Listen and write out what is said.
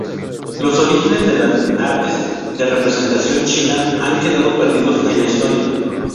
Los orígenes de las artes de representación china han quedado perdidos en la historia.